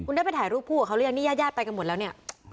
คุณได้ไปถ่ายรูปคู่กับเขาหรือยังนี่ญาติญาติไปกันหมดแล้วเนี่ย